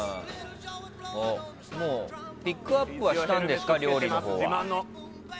料理のピックアップはしたんですか？